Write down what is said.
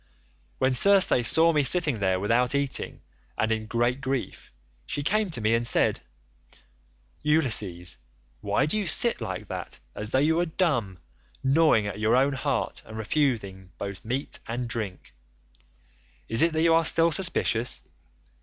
"When Circe saw me sitting there without eating, and in great grief, she came to me and said, 'Ulysses, why do you sit like that as though you were dumb, gnawing at your own heart, and refusing both meat and drink? Is it that you are still suspicious?